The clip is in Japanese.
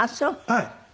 はい。